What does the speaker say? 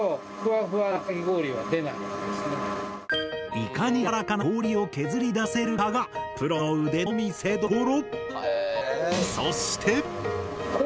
いかにやわらかな氷を削り出せるかがプロの腕の見せどころ！